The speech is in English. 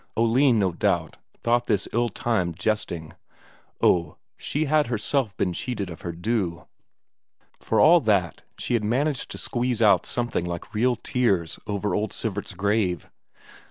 Oline, no doubt, thought this ill timed jesting. Oh, she had herself been cheated of her due; for all that she had managed to squeeze out something like real tears over old Sivert's grave.